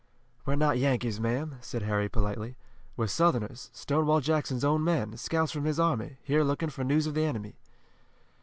"We're not Yankees, ma'am," said Harry, politely. "We're Southerners, Stonewall Jackson's own men, scouts from his army, here looking for news of the enemy."